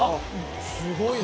すごいね！